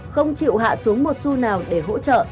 không chịu hạ xuống một xu nào để hỗ trợ